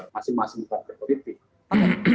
masing masing partai politik